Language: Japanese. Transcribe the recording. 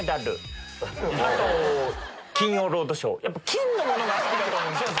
「金」のものが好きだと思う。